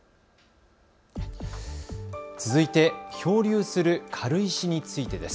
続いて漂流する軽石についてです。